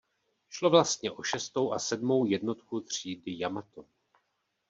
Šlo vlastně o šestou a sedmou jednotku třídy "Jamato".